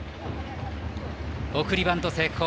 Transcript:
送りバント成功。